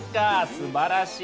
すばらしい。